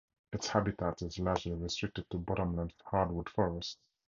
Its habitat is largely restricted to bottomland hardwood forest.